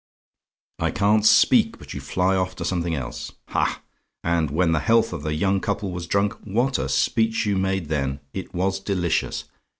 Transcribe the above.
I can't speak but you fly off to something else. Ha! and when the health of the young couple was drunk, what a speech you made then! It was delicious!